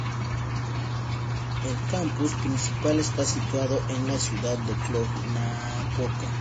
El campus principal está situado en la ciudad de Cluj-Napoca.